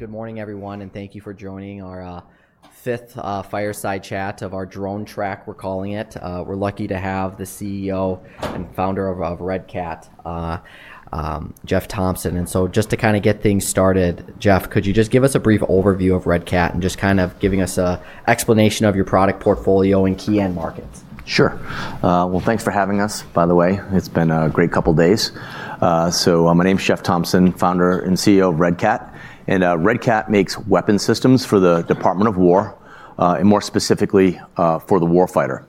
Good morning, everyone, and thank you for joining our fifth Fireside Chat of our Drone Track, we're calling it. We're lucky to have the CEO and founder of Red Cat, Jeff Thompson. And so just to kind of get things started, Jeff, could you just give us a brief overview of Red Cat and just kind of giving us an explanation of your product portfolio and key end markets? Sure. Well, thanks for having us, by the way. It's been a great couple of days, so my name's Jeff Thompson, founder and CEO of Red Cat, and Red Cat makes weapons systems for the Department of War, and more specifically for the war fighter.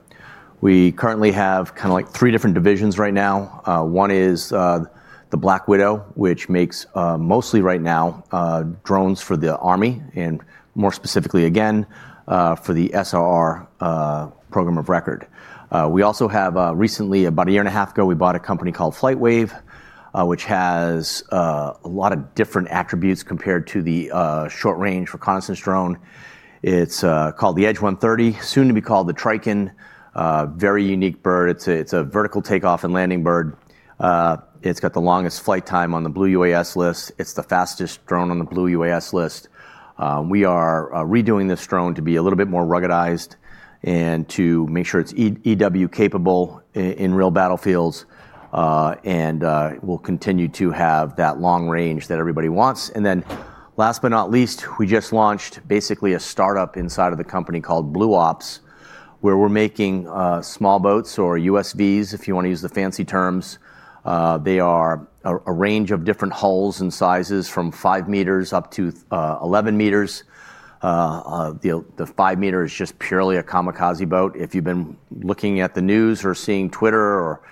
We currently have kind of like three different divisions right now. One is the Black Widow, which makes mostly right now drones for the army, and more specifically again for the SRR program of record. We also have recently, about a year and a half ago, we bought a company called FlightWave, which has a lot of different attributes compared to the short-range reconnaissance drone. It's called the Edge 130, soon to be called the Tricon, very unique bird. It's a vertical takeoff and landing bird. It's got the longest flight time on the Blue UAS list. It's the fastest drone on the Blue UAS list. We are redoing this drone to be a little bit more ruggedized and to make sure it's EW capable in real battlefields. And we'll continue to have that long range that everybody wants. And then last but not least, we just launched basically a startup inside of the company called Blue Ops, where we're making small boats, or USVs, if you want to use the fancy terms. They are a range of different hulls and sizes from five meters up to 11 meters. The five-meter is just purely a kamikaze boat. If you've been looking at the news or seeing Twitter, or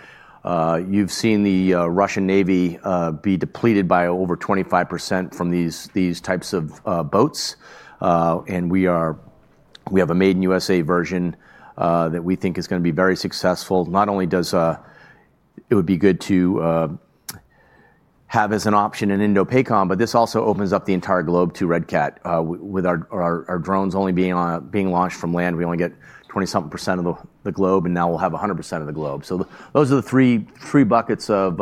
you've seen the Russian Navy be depleted by over 25% from these types of boats. And we have a Made in USA version that we think is going to be very successful. Not only would it be good to have as an option an INDOPACOM, but this also opens up the entire globe to Red Cat. With our drones only being launched from land, we only get 20-something% of the globe, and now we'll have 100% of the globe. So those are the three buckets of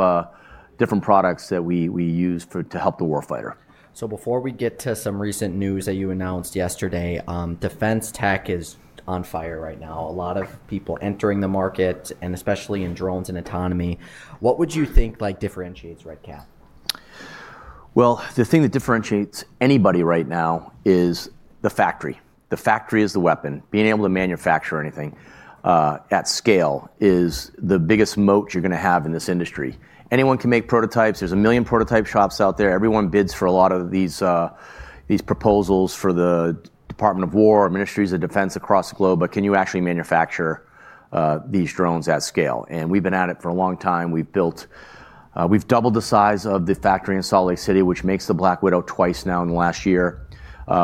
different products that we use to help the war fighter. So before we get to some recent news that you announced yesterday, defense tech is on fire right now. A lot of people entering the market, and especially in drones and autonomy. What would you think differentiates Red Cat? The thing that differentiates anybody right now is the factory. The factory is the weapon. Being able to manufacture anything at scale is the biggest moat you're going to have in this industry. Anyone can make prototypes. There's a million prototype shops out there. Everyone bids for a lot of these proposals for the Department of War or ministries of defense across the globe. But can you actually manufacture these drones at scale? And we've been at it for a long time. We've doubled the size of the factory in Salt Lake City, which makes the Black Widow twice now in the last year.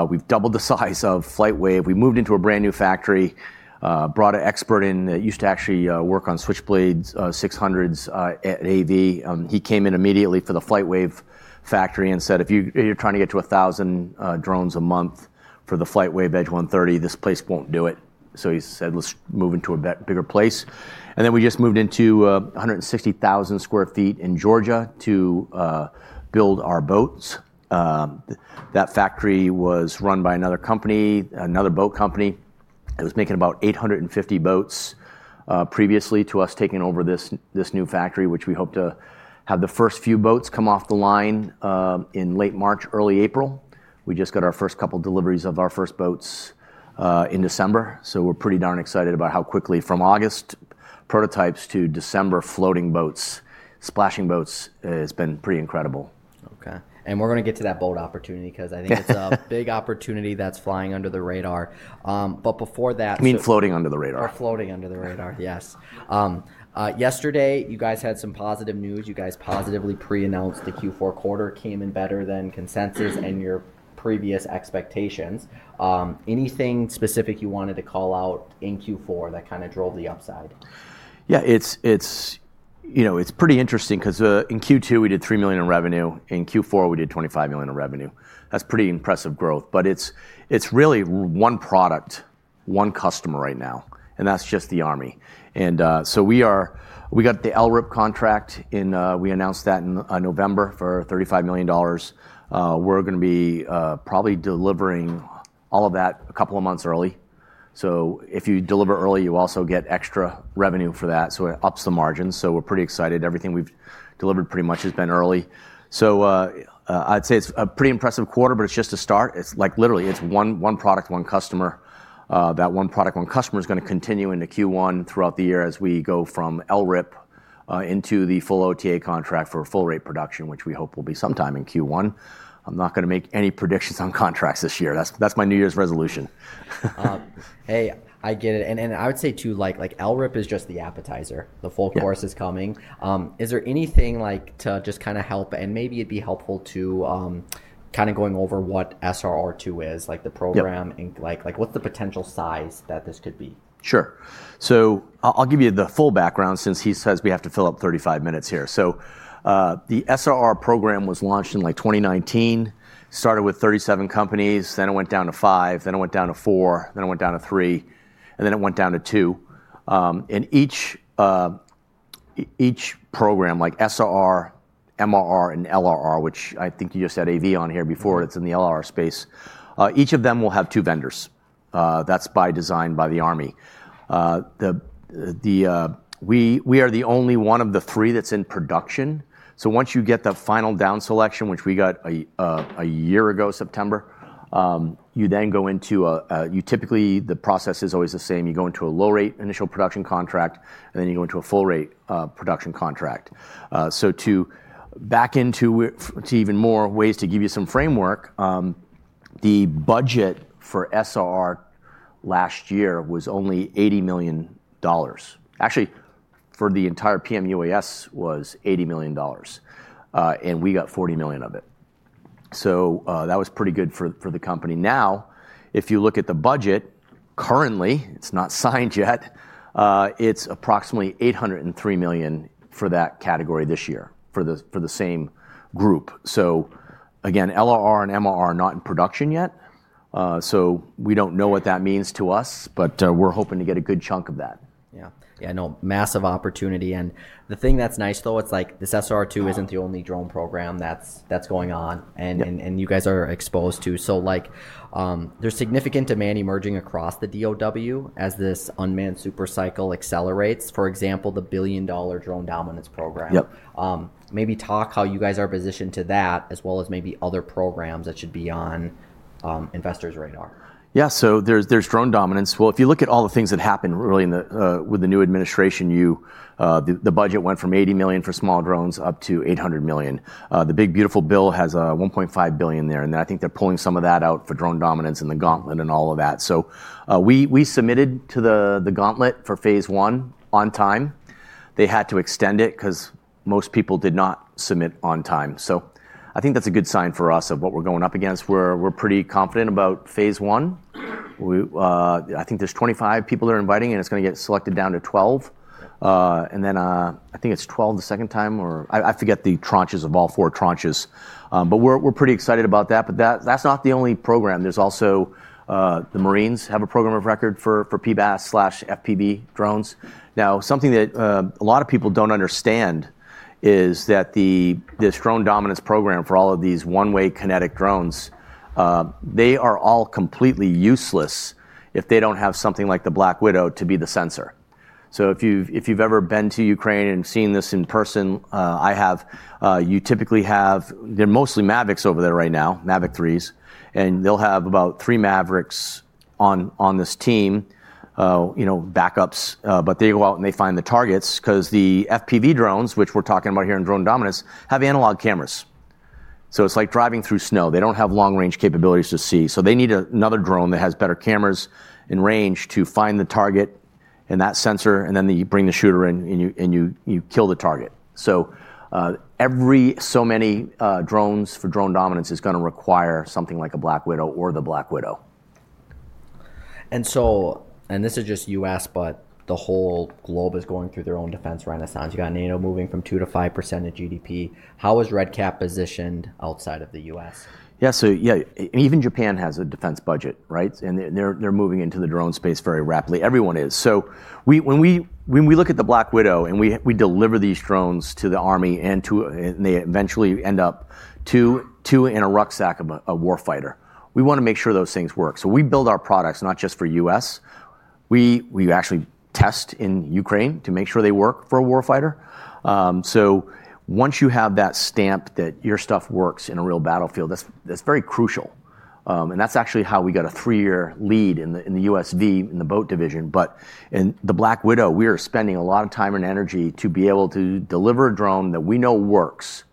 We've doubled the size of FlightWave. We moved into a brand new factory, brought an expert in that used to actually work on Switchblade 600s at AV. He came in immediately for the FlightWave factory and said, "If you're trying to get to 1,000 drones a month for the FlightWave Edge 130, this place won't do it." So he said, "Let's move into a bigger place." And then we just moved into 160,000 sq ft in Georgia to build our boats. That factory was run by another company, another boat company. It was making about 850 boats previously to us taking over this new factory, which we hope to have the first few boats come off the line in late March, early April. We just got our first couple of deliveries of our first boats in December. So we're pretty darn excited about how quickly from August prototypes to December floating boats, splashing boats has been pretty incredible. Okay, and we're going to get to that boat opportunity because I think it's a big opportunity that's flying under the radar, but before that. You mean floating under the radar. Or floating under the radar, yes. Yesterday, you guys had some positive news. You guys positively pre-announced the Q4 quarter came in better than consensus and your previous expectations. Anything specific you wanted to call out in Q4 that kind of drove the upside? Yeah, it's pretty interesting because in Q2 we did $3 million in revenue. In Q4 we did $25 million in revenue. That's pretty impressive growth. But it's really one product, one customer right now, and that's just the army. And so we got the LRIP contract, and we announced that in November for $35 million. We're going to be probably delivering all of that a couple of months early. So if you deliver early, you also get extra revenue for that. So it ups the margins. So we're pretty excited. Everything we've delivered pretty much has been early. So I'd say it's a pretty impressive quarter, but it's just a start. It's like literally it's one product, one customer. That one product, one customer is going to continue into Q1 throughout the year as we go from LRIP into the full OTA contract for full rate production, which we hope will be sometime in Q1. I'm not going to make any predictions on contracts this year. That's my New Year's resolution. Hey, I get it, and I would say too, like LRIP is just the appetizer. The full course is coming. Is there anything to just kind of help, and maybe it'd be helpful to kind of going over what SRR2 is, like the program, and what's the potential size that this could be? Sure. So I'll give you the full background since he says we have to fill up 35 minutes here. So the SRR program was launched in like 2019, started with 37 companies, then it went down to five, then it went down to four, then it went down to three, and then it went down to two. And each program, like SRR, MRR, and LRR, which I think you just had AV on here before, it's in the LRR space, each of them will have two vendors. That's by design by the army. We are the only one of the three that's in production. So once you get the final down selection, which we got a year ago, September, you then go into. Typically the process is always the same. You go into a low rate initial production contract, and then you go into a full rate production contract. So to back into even more ways to give you some framework, the budget for SRR last year was only $80 million. Actually, for the entire PMUAS was $80 million, and we got $40 million of it. So that was pretty good for the company. Now, if you look at the budget currently, it's not signed yet, it's approximately $803 million for that category this year for the same group. So again, LRR and MRR are not in production yet. So we don't know what that means to us, but we're hoping to get a good chunk of that. Yeah. Yeah, no, massive opportunity. And the thing that's nice though, it's like this SRR2 isn't the only drone program that's going on and you guys are exposed to. So there's significant demand emerging across the DOW as this unmanned supercycle accelerates. For example, the billion-dollar drone dominance program. Maybe talk how you guys are positioned to that, as well as maybe other programs that should be on investors' radar. Yeah. So there's Drone Dominance. Well, if you look at all the things that happened really with the new administration, the budget went from $80 million for small drones up to $800 million. The big beautiful bill has $1.5 billion there. And then I think they're pulling some of that out for Drone Dominance and the Gauntlet and all of that. So we submitted to the Gauntlet for phase one on time. They had to extend it because most people did not submit on time. So I think that's a good sign for us of what we're going up against. We're pretty confident about phase one. I think there's 25 people that are inviting, and it's going to get selected down to 12. And then I think it's 12 the second time, or I forget the tranches of all four tranches. But we're pretty excited about that. But that's not the only program. There's also the Marines have a program of record for PBAS/FPV drones. Now, something that a lot of people don't understand is that this Drone Dominance program for all of these one-way kinetic drones, they are all completely useless if they don't have something like the Black Widow to be the sensor. So if you've ever been to Ukraine and seen this in person, I have. You typically have, they're mostly Mavics over there right now, Mavic 3s, and they'll have about three Mavics on this team, backups. But they go out and they find the targets because the FPV drones, which we're talking about here in Drone Dominance, have analog cameras. So it's like driving through snow. They don't have long-range capabilities to see. So they need another drone that has better cameras and range to find the target and that sensor, and then you bring the shooter in and you kill the target. So every so many drones for Drone Dominance is going to require something like a Black Widow or the Black Widow. This is just U.S., but the whole globe is going through their own defense renaissance. You got NATO moving from 2%-5% of GDP. How is Red Cat positioned outside of the U.S.? Yeah. So yeah, even Japan has a defense budget, right? And they're moving into the drone space very rapidly. Everyone is. So when we look at the Black Widow and we deliver these drones to the army and they eventually end up two in a rucksack of a war fighter, we want to make sure those things work. So we build our products not just for U.S. We actually test in Ukraine to make sure they work for a war fighter. So once you have that stamp that your stuff works in a real battlefield, that's very crucial. And that's actually how we got a three-year lead in the USV, in the boat division. But in the Black Widow, we are spending a lot of time and energy to be able to deliver a drone that we know works,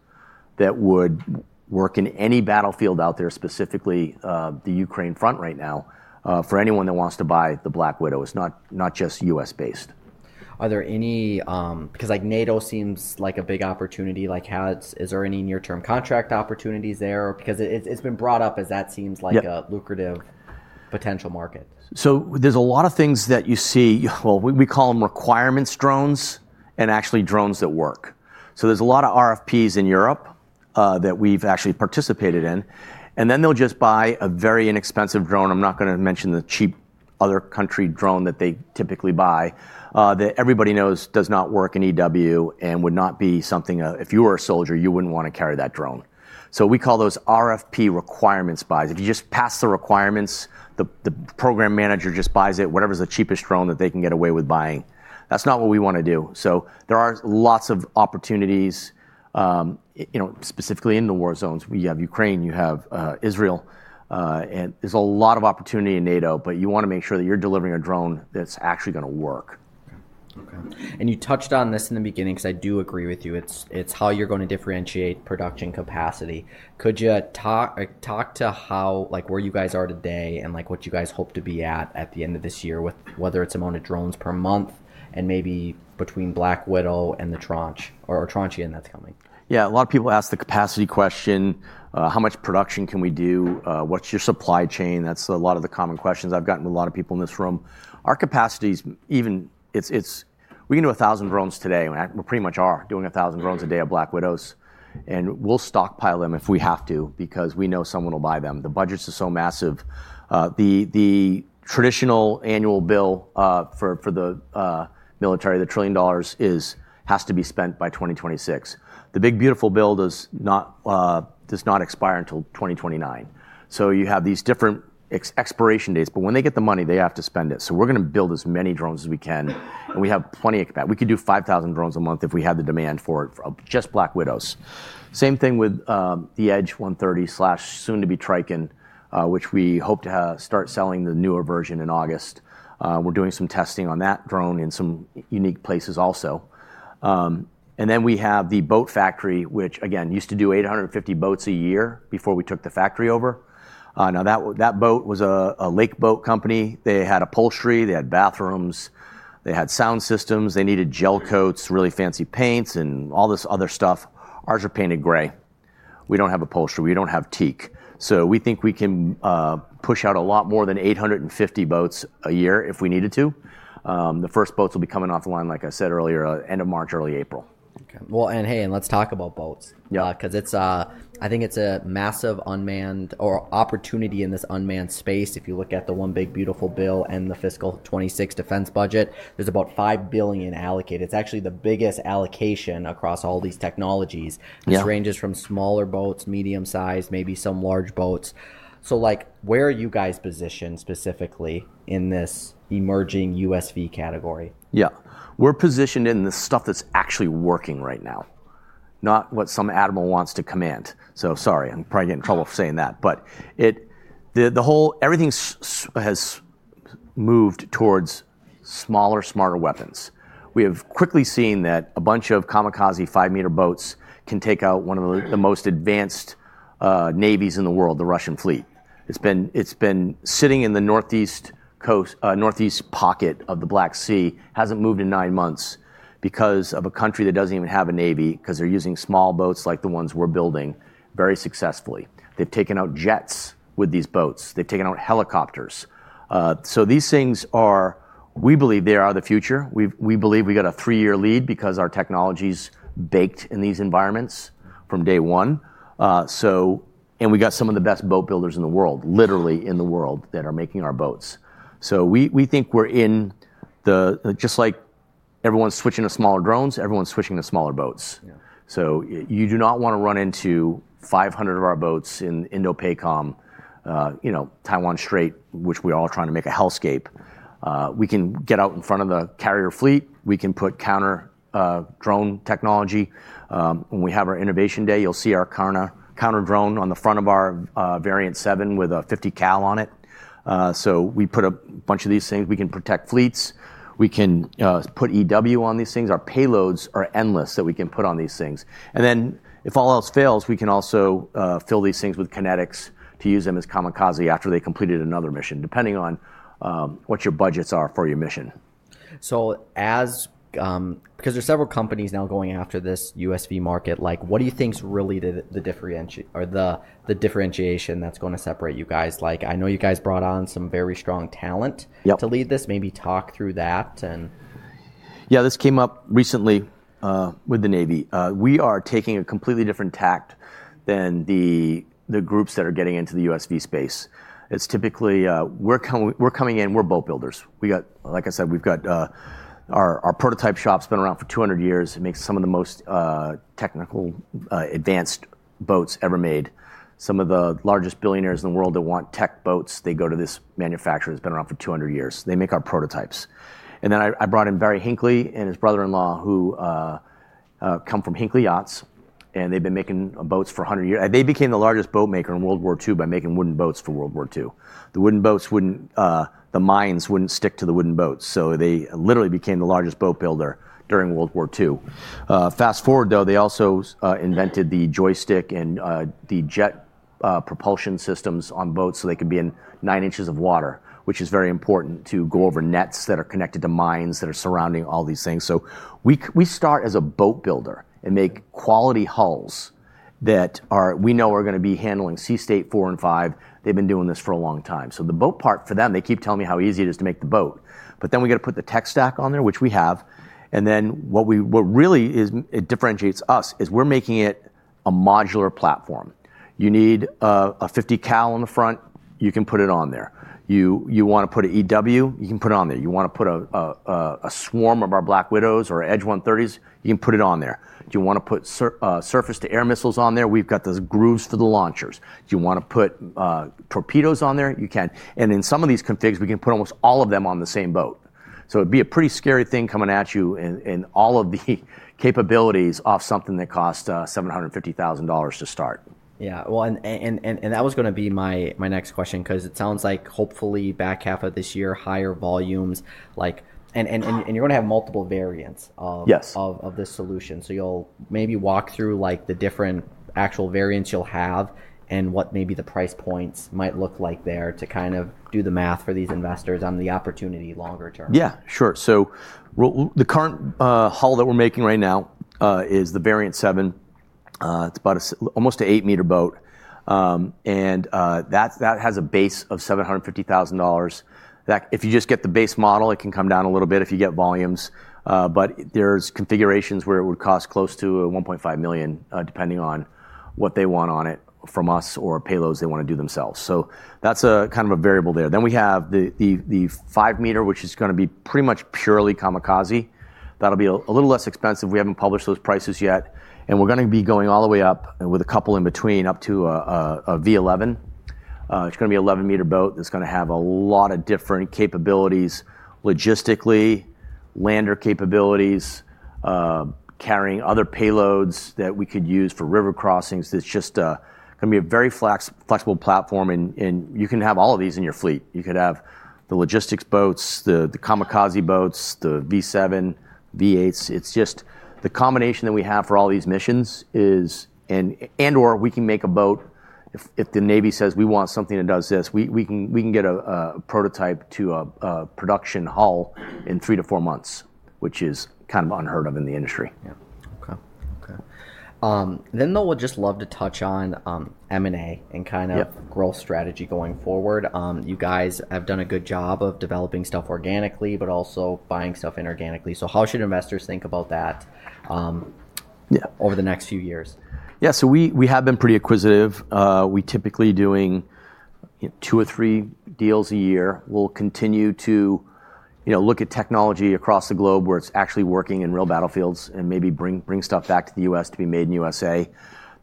that would work in any battlefield out there, specifically the Ukraine front right now, for anyone that wants to buy the Black Widow. It's not just U.S.-based. Are there any, because like NATO seems like a big opportunity, like is there any near-term contract opportunities there? Because it's been brought up as that seems like a lucrative potential market. There's a lot of things that you see. We call them requirements drones and actually drones that work. There's a lot of RFPs in Europe that we've actually participated in, and then they'll just buy a very inexpensive drone. I'm not going to mention the cheap other country drone that they typically buy that everybody knows does not work in EW and would not be something if you were a soldier, you wouldn't want to carry that drone. We call those RFP requirements buys. If you just pass the requirements, the program manager just buys it, whatever's the cheapest drone that they can get away with buying. That's not what we want to do. There are lots of opportunities, specifically in the war zones. You have Ukraine, you have Israel. There's a lot of opportunity in NATO, but you want to make sure that you're delivering a drone that's actually going to work. Okay, and you touched on this in the beginning because I do agree with you. It's how you're going to differentiate production capacity. Could you talk to how where you guys are today and what you guys hope to be at the end of this year, whether it's amount of drones per month and maybe between Black Widow and the Trikon that's coming? Yeah. A lot of people ask the capacity question. How much production can we do? What's your supply chain? That's a lot of the common questions I've gotten with a lot of people in this room. Our capacity is even, we can do 1,000 drones today. We pretty much are doing 1,000 drones a day of Black Widows. And we'll stockpile them if we have to because we know someone will buy them. The budget is so massive. The traditional annual bill for the military, $1 trillion, has to be spent by 2026. The big beautiful bill does not expire until 2029. So you have these different expiration dates. But when they get the money, they have to spend it. So we're going to build as many drones as we can. And we have plenty of capacity. We could do 5,000 drones a month if we had the demand for just Black Widows. Same thing with the Edge 130, soon to be Trikon, which we hope to start selling the newer version in August. We're doing some testing on that drone in some unique places also, and then we have the boat factory, which again, used to do 850 boats a year before we took the factory over. Now that boat was a lake boat company. They had upholstery, they had bathrooms, they had sound systems, they needed gel coats, really fancy paints, and all this other stuff. Ours are painted gray. We don't have upholstery. We don't have teak, so we think we can push out a lot more than 850 boats a year if we needed to. The first boats will be coming off the line, like I said earlier, end of March, early April. Okay. Well, and hey, and let's talk about boats. Because I think it's a massive unmanned boat opportunity in this unmanned space. If you look at the one big beautiful bill and the fiscal 2026 defense budget, there's about $5 billion allocated. It's actually the biggest allocation across all these technologies. This ranges from smaller boats, medium size, maybe some large boats. So where are you guys positioned specifically in this emerging USV category? Yeah. We're positioned in the stuff that's actually working right now, not what some animal wants to command. So sorry, I'm probably getting in trouble for saying that. But everything has moved towards smaller, smarter weapons. We have quickly seen that a bunch of kamikaze five-meter boats can take out one of the most advanced navies in the world, the Russian fleet. It's been sitting in the northeast pocket of the Black Sea. It hasn't moved in nine months because of a country that doesn't even have a navy, because they're using small boats like the ones we're building very successfully. They've taken out jets with these boats. They've taken out helicopters. So these things are, we believe they are the future. We believe we got a three-year lead because our technology's baked in these environments from day one. And we got some of the best boat builders in the world, literally in the world, that are making our boats. So we think we're in the, just like everyone's switching to smaller drones, everyone's switching to smaller boats. So you do not want to run into 500 of our boats in INDOPACOM, Taiwan Strait, which we're all trying to make a hellscape. We can get out in front of the carrier fleet. We can put counter drone technology. When we have our innovation day, you'll see our counter drone on the front of our Variant 7 with a 50 cal on it. So we put a bunch of these things. We can protect fleets. We can put EW on these things. Our payloads are endless that we can put on these things. And then if all else fails, we can also fill these things with kinetics to use them as kamikaze after they completed another mission, depending on what your budgets are for your mission. So because there's several companies now going after this USV market, what do you think's really the differentiation that's going to separate you guys? I know you guys brought on some very strong talent to lead this. Maybe talk through that and. Yeah. This came up recently with the Navy. We are taking a completely different tack than the groups that are getting into the USV space. It's typically we're coming in, we're boat builders. Like I said, we've got our prototype shop's been around for 200 years. It makes some of the most technically advanced boats ever made. Some of the largest billionaires in the world that want tech boats, they go to this manufacturer that's been around for 200 years. They make our prototypes. And then I brought in Barry Hinckley and his brother-in-law who come from Hinckley Yachts. And they've been making boats for 100 years. They became the largest boat maker in World War II by making wooden boats for World War II. The wooden boats wouldn't, the mines wouldn't stick to the wooden boats. So they literally became the largest boat builder during World War II. Fast forward though, they also invented the joystick and the jet propulsion systems on boats so they could be in nine inches of water, which is very important to go over nets that are connected to mines that are surrounding all these things. So we start as a boat builder and make quality hulls that we know are going to be handling Sea State four and five. They've been doing this for a long time. So the boat part for them, they keep telling me how easy it is to make the boat. But then we got to put the tech stack on there, which we have. And then what really differentiates us is we're making it a modular platform. You need a 50 cal on the front, you can put it on there. You want to put an EW, you can put it on there. You want to put a swarm of our Black Widows or Edge 130s, you can put it on there. Do you want to put surface-to-air missiles on there? We've got those grooves for the launchers. Do you want to put torpedoes on there? You can. And in some of these configs, we can put almost all of them on the same boat. So it'd be a pretty scary thing coming at you in all of the capabilities off something that costs $750,000 to start. Yeah. Well, and that was going to be my next question because it sounds like hopefully back half of this year, higher volumes, and you're going to have multiple variants of this solution. So you'll maybe walk through the different actual variants you'll have and what maybe the price points might look like there to kind of do the math for these investors on the opportunity longer term. Yeah, sure. So the current hull that we're making right now is the Variant 7. It's about almost an eight-meter boat. And that has a base of $750,000. If you just get the base model, it can come down a little bit if you get volumes. But there's configurations where it would cost close to $1.5 million, depending on what they want on it from us or payloads they want to do themselves. So that's kind of a variable there. Then we have the five-meter, which is going to be pretty much purely kamikaze. That'll be a little less expensive. We haven't published those prices yet. And we're going to be going all the way up with a couple in between up to a Variant 11. It's going to be an 11-meter boat that's going to have a lot of different capabilities logistically, lander capabilities, carrying other payloads that we could use for river crossings. It's just going to be a very flexible platform, and you can have all of these in your fleet. You could have the logistics boats, the kamikaze boats, the V7, V8s. It's just the combination that we have for all these missions is, and/or we can make a boat if the Navy says we want something that does this. We can get a prototype to a production hull in three to four months, which is kind of unheard of in the industry. Then though, we'd just love to touch on M&A and kind of growth strategy going forward. You guys have done a good job of developing stuff organically, but also buying stuff inorganically. So how should investors think about that over the next few years? Yeah. So we have been pretty acquisitive. We typically do two or three deals a year. We'll continue to look at technology across the globe where it's actually working in real battlefields and maybe bring stuff back to the U.S. to be made in the USA.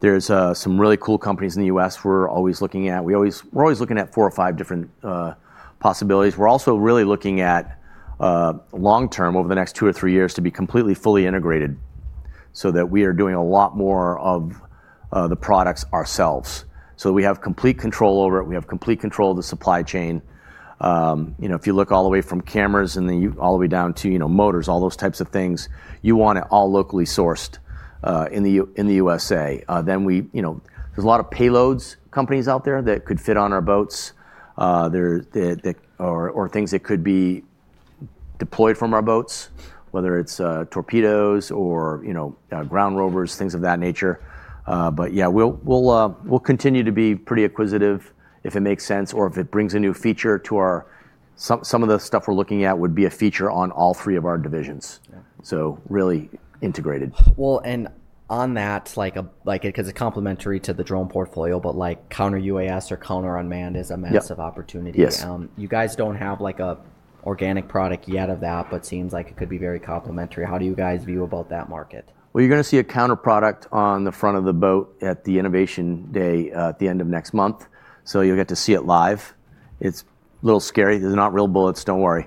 There's some really cool companies in the U.S. we're always looking at. We're always looking at four or five different possibilities. We're also really looking at long term over the next two or three years to be completely fully integrated so that we are doing a lot more of the products ourselves. So we have complete control over it. We have complete control of the supply chain. If you look all the way from cameras and then all the way down to motors, all those types of things, you want it all locally sourced in the USA. Then there's a lot of payloads companies out there that could fit on our boats or things that could be deployed from our boats, whether it's torpedoes or ground rovers, things of that nature. But yeah, we'll continue to be pretty acquisitive if it makes sense or if it brings a new feature to ours. Some of the stuff we're looking at would be a feature on all three of our divisions. So really integrated. And on that, because it's complementary to the drone portfolio, but counter UAS or counter unmanned is a massive opportunity. You guys don't have an organic product yet of that, but it seems like it could be very complementary. How do you guys view about that market? You're going to see a counter product on the front of the boat at the innovation day at the end of next month. So you'll get to see it live. It's a little scary. There's not real bullets, don't worry.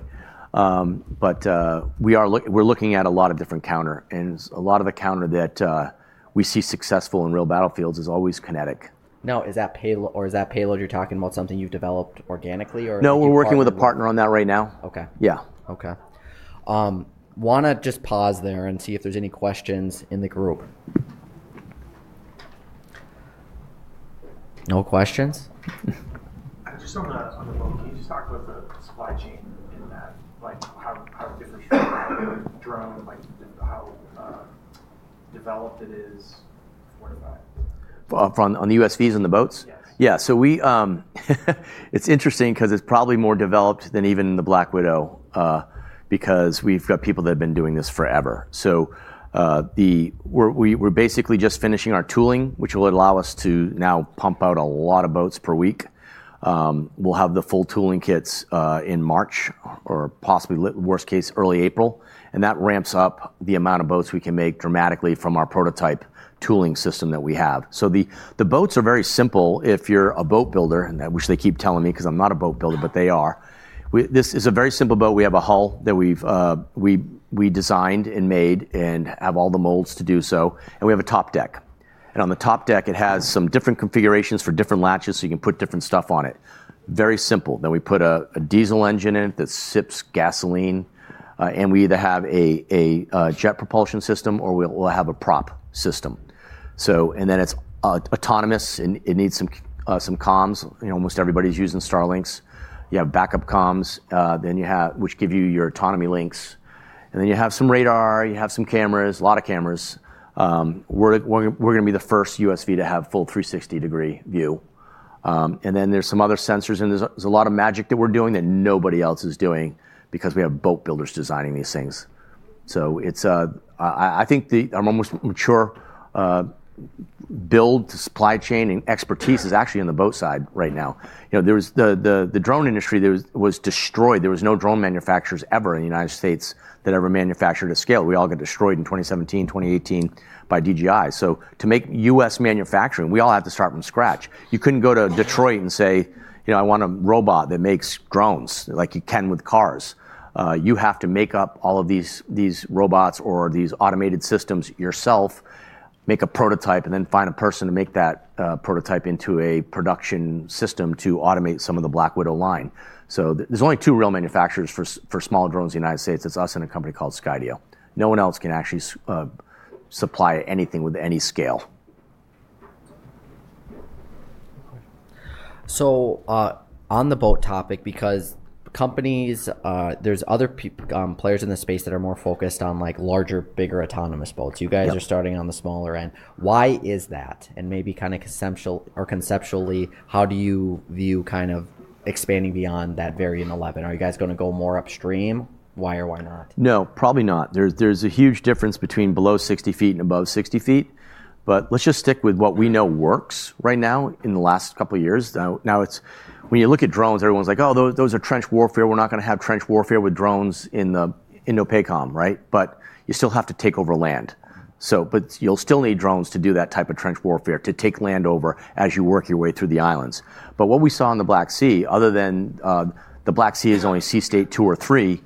But we are looking at a lot of different counter. And a lot of the counter that we see successful in real battlefields is always kinetic. Now, is that payload you're talking about something you've developed organically or? No, we're working with a partner on that right now. Okay. Yeah. Okay. Want to just pause there and see if there's any questions in the group? No questions? Just on the boat, can you just talk about the supply chain in that? How different from drone, how developed it is for that? On the USVs and the boats? Yes. Yeah. So it's interesting because it's probably more developed than even the Black Widow because we've got people that have been doing this forever. So we're basically just finishing our tooling, which will allow us to now pump out a lot of boats per week. We'll have the full tooling kits in March or possibly, worst case, early April. And that ramps up the amount of boats we can make dramatically from our prototype tooling system that we have. So the boats are very simple. If you're a boat builder, which they keep telling me because I'm not a boat builder, but they are, this is a very simple boat. We have a hull that we designed and made and have all the molds to do so. And we have a top deck. On the top deck, it has some different configurations for different latches so you can put different stuff on it. Very simple. Then we put a diesel engine in it that sips gasoline. We either have a jet propulsion system or we'll have a prop system. It's autonomous. It needs some comms. Almost everybody's using Starlink. You have backup comms, which give you your autonomy links. You have some radar. You have some cameras, a lot of cameras. We're going to be the first USV to have full 360-degree view. There's some other sensors. There's a lot of magic that we're doing that nobody else is doing because we have boat builders designing these things. I think it's almost mature. But supply chain and expertise is actually on the boat side right now. The drone industry was destroyed. There were no drone manufacturers ever in the United States that ever manufactured at scale. We all got destroyed in 2017, 2018 by DJI. So to make U.S. manufacturing, we all have to start from scratch. You couldn't go to Detroit and say, "I want a robot that makes drones like you can with cars." You have to make up all of these robots or these automated systems yourself, make a prototype, and then find a person to make that prototype into a production system to automate some of the Black Widow line. So there's only two real manufacturers for small drones in the United States. It's us and a company called Skydio. No one else can actually supply anything with any scale. So on the boat topic, because companies, there's other players in the space that are more focused on larger, bigger autonomous boats. You guys are starting on the smaller end. Why is that? And maybe kind of conceptually, how do you view kind of expanding beyond that Variant 11? Are you guys going to go more upstream? Why or why not? No, probably not. There's a huge difference between below 60 feet and above 60 feet. But let's just stick with what we know works right now in the last couple of years. Now, when you look at drones, everyone's like, "Oh, those are trench warfare. We're not going to have trench warfare with drones in INDOPAM," right? But you still have to take over land. But you'll still need drones to do that type of trench warfare to take land over as you work your way through the islands. But what we saw in the Black Sea, other than the Black Sea is only Sea State two or three,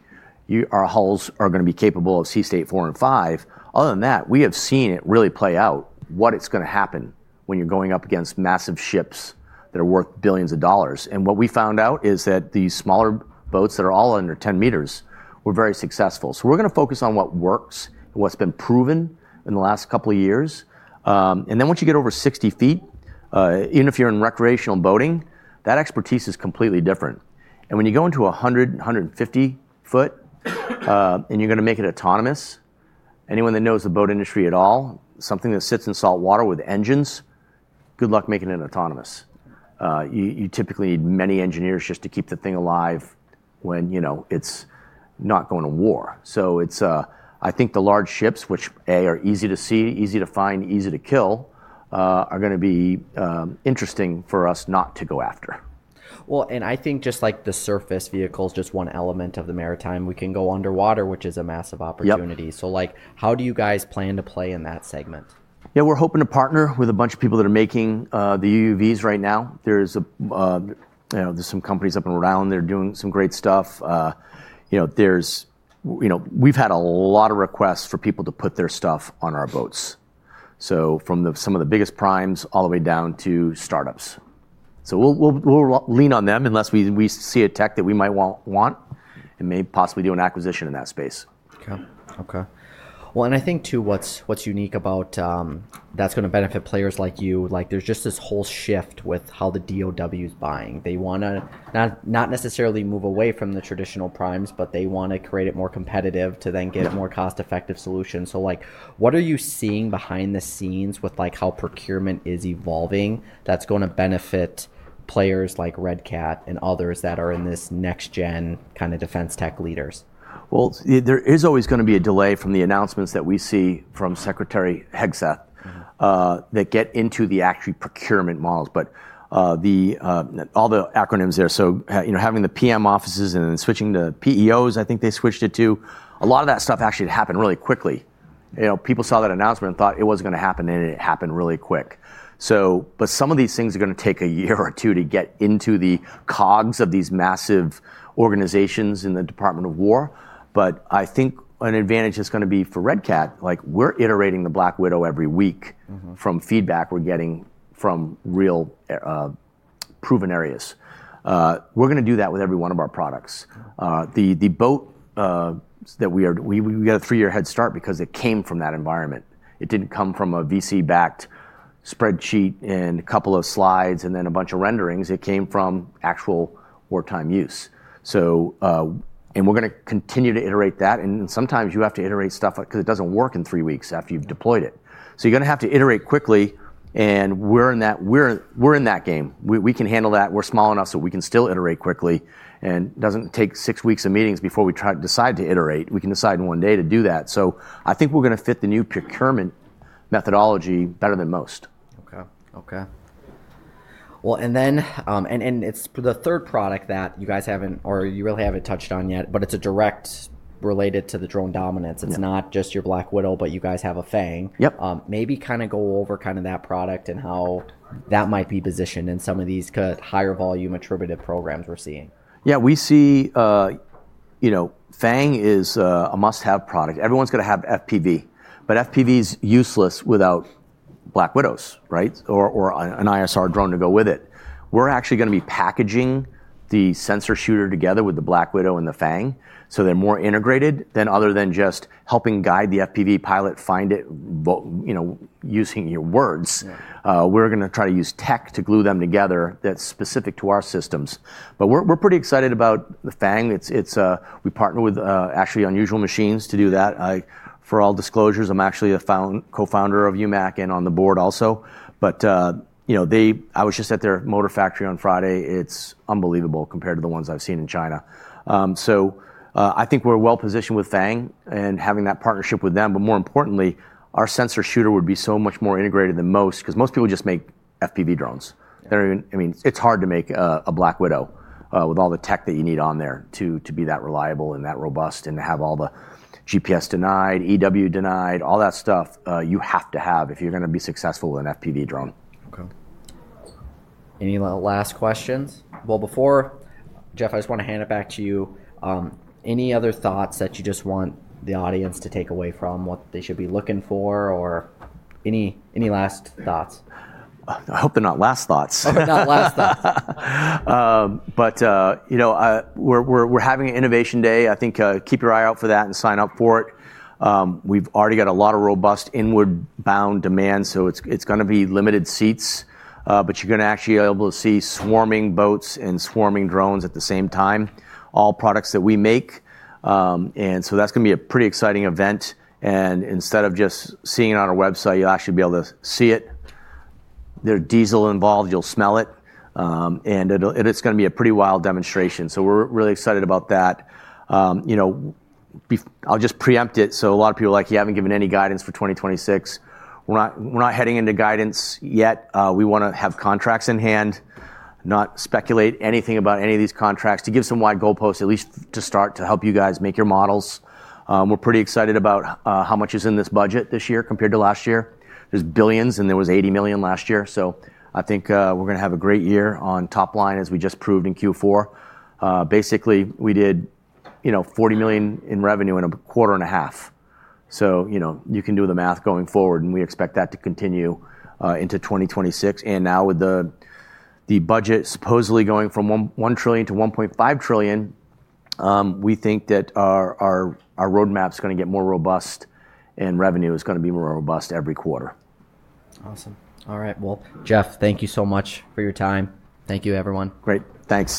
our hulls are going to be capable of Sea State 4 and 5. Other than that, we have seen it really play out what it's going to happen when you're going up against massive ships that are worth billions of dollars. And what we found out is that these smaller boats that are all under 10 meters were very successful. So we're going to focus on what works and what's been proven in the last couple of years. And then once you get over 60 feet, even if you're in recreational boating, that expertise is completely different. And when you go into 100, 150 foot and you're going to make it autonomous, anyone that knows the boat industry at all, something that sits in salt water with engines, good luck making it autonomous. You typically need many engineers just to keep the thing alive when it's not going to war. So I think the large ships, which A, are easy to see, easy to find, easy to kill, are going to be interesting for us not to go after. Well, and I think just like the surface vehicle is just one element of the maritime. We can go underwater, which is a massive opportunity. So how do you guys plan to play in that segment? Yeah, we're hoping to partner with a bunch of people that are making the UUVs right now. There's some companies up in Rhode Island that are doing some great stuff. We've had a lot of requests for people to put their stuff on our boats. So from some of the biggest primes all the way down to startups. So we'll lean on them unless we see a tech that we might want and may possibly do an acquisition in that space. Okay. Okay. Well, and I think too what's unique about that's going to benefit players like you. There's just this whole shift with how the Department of War is buying. They want to not necessarily move away from the traditional primes, but they want to create it more competitive to then get a more cost-effective solution. So what are you seeing behind the scenes with how procurement is evolving that's going to benefit players like Red Cat and others that are in this next-gen kind of defense tech leaders? There is always going to be a delay from the announcements that we see from Secretary Hegseth that get into the actual procurement models. But all the acronyms there. So having the PM offices and then switching to PEOs, I think they switched it to. A lot of that stuff actually happened really quickly. People saw that announcement and thought it wasn't going to happen, and it happened really quick. But some of these things are going to take a year or two to get into the cogs of these massive organizations in the Department of War. But I think an advantage that's going to be for Red Cat, we're iterating the Black Widow every week from feedback we're getting from real proven areas. We're going to do that with every one of our products. The boat that we are. We got a three-year head start because it came from that environment. It didn't come from a VC-backed spreadsheet and a couple of slides and then a bunch of renderings. It came from actual wartime use, and we're going to continue to iterate that, and sometimes you have to iterate stuff because it doesn't work in three weeks after you've deployed it, so you're going to have to iterate quickly, and we're in that game. We can handle that. We're small enough so we can still iterate quickly, and it doesn't take six weeks of meetings before we decide to iterate. We can decide one day to do that, so I think we're going to fit the new procurement methodology better than most. Okay. Okay. Well, and then it's the third product that you guys haven't, or you really haven't touched on yet, but it's directly related to the Drone Dominance. It's not just your Black Widow, but you guys have a FANG. Maybe kind of go over kind of that product and how that might be positioned in some of these higher volume attractive programs we're seeing. Yeah, we see FANG is a must-have product. Everyone's going to have FPV. But FPV is useless without Black Widows, right, or an ISR drone to go with it. We're actually going to be packaging the sensor shooter together with the Black Widow and the FANG so they're more integrated than other than just helping guide the FPV pilot find it using your words. We're going to try to use tech to glue them together that's specific to our systems. But we're pretty excited about the FANG. We partner with actually Unusual Machines to do that. For all disclosures, I'm actually a co-founder of UMAC and on the board also. But I was just at their motor factory on Friday. It's unbelievable compared to the ones I've seen in China. So I think we're well positioned with FANG and having that partnership with them. But more importantly, our sensor shooter would be so much more integrated than most because most people just make FPV drones. I mean, it's hard to make a Black Widow with all the tech that you need on there to be that reliable and that robust and to have all the GPS denied, EW denied, all that stuff you have to have if you're going to be successful with an FPV drone. Okay. Any last questions? Well, before, Jeff, I just want to hand it back to you. Any other thoughts that you just want the audience to take away from what they should be looking for or any last thoughts? I hope they're not last thoughts. Hope they're not last thoughts. But we're having an innovation day. I think keep your eye out for that and sign up for it. We've already got a lot of robust inward-bound demand. So it's going to be limited seats, but you're going to actually be able to see swarming boats and swarming drones at the same time, all products that we make. And so that's going to be a pretty exciting event. And instead of just seeing it on our website, you'll actually be able to see it. There's diesel involved. You'll smell it. And it's going to be a pretty wild demonstration. So we're really excited about that. I'll just preempt it. So a lot of people are like, "You haven't given any guidance for 2026." We're not heading into guidance yet. We want to have contracts in hand, not speculate anything about any of these contracts to give some wide goalposts, at least to start to help you guys make your models. We're pretty excited about how much is in this budget this year compared to last year. There's billions, and there was $80 million last year. So I think we're going to have a great year on top line as we just proved in Q4. Basically, we did $40 million in revenue in a quarter and a half. So you can do the math going forward, and we expect that to continue into 2026. And now with the budget supposedly going from $1 trillion-$1.5 trillion, we think that our roadmap is going to get more robust and revenue is going to be more robust every quarter. Awesome. All right. Well, Jeff, thank you so much for your time. Thank you, everyone. Great. Thanks.